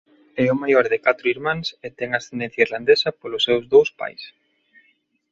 É o maior de catro irmáns e ten ascendencia irlandesa polos seus dous pais.